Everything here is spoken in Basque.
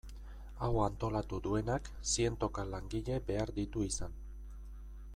Hau antolatu duenak zientoka langile behar ditu izan.